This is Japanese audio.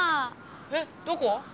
えっどこ？